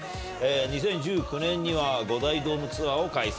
２０１９年には５大ドームツアーを開催。